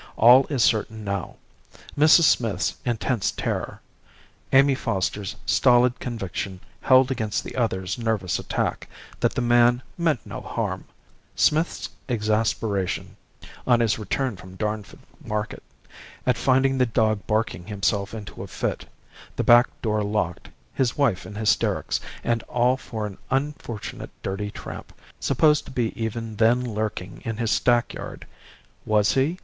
All is certain now: Mrs. Smith's intense terror; Amy Foster's stolid conviction held against the other's nervous attack, that the man 'meant no harm'; Smith's exasperation (on his return from Darnford Market) at finding the dog barking himself into a fit, the back door locked, his wife in hysterics; and all for an unfortunate dirty tramp, supposed to be even then lurking in his stackyard. Was he?